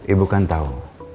ibu kan tahu